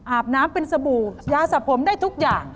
อาบน้ำเป็นสบู่ยาสับผมได้ทุกอย่าง